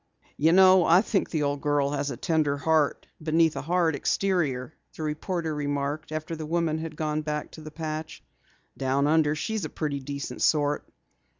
"You know, I think the old girl has a tender heart beneath a hard exterior," the reporter remarked after the woman had gone back to the patch. "Down under she's a pretty decent sort."